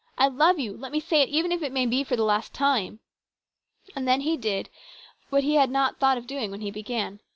" I love you. Let me say it even if it may be for the last time." And then he did what he had not thought of doing when he began.